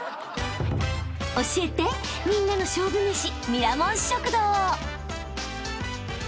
［教えてみんなの勝負めし］